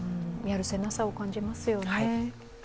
やるせなさを感じますよね。